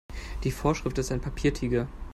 Die Vorschrift ist ein Papiertiger.